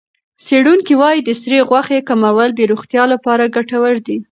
څېړونکي وايي د سرې غوښې کمول د روغتیا لپاره ګټور دي.